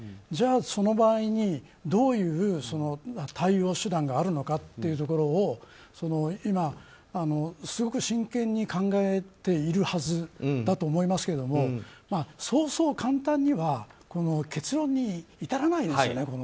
じゃあその場合に、どういう対応手段があるのかというところを今、すごく真剣に考えているはずだと思いますけどそうそう簡単には結論に至らないですよね。